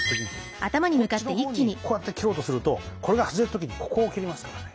こっちのほうにこうやって切ろうとするとこれが外れた時にここを切りますからね。